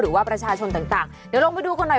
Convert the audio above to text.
หรือว่าประชาชนต่างเดี๋ยวลงไปดูกันหน่อย